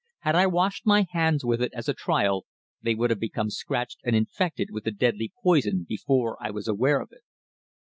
"Had I washed my hands with it as a trial, they would have become scratched and infected with the deadly poison before I was aware of it."